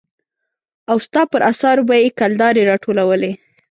او ستا پر اثارو به يې کلدارې را ټولولې.